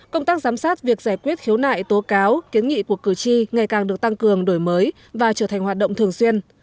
công tác giám sát việc giải quyết khiếu nại tố cáo kiến nghị của cử tri ngày càng được tăng cường đổi mới và trở thành hoạt động thường xuyên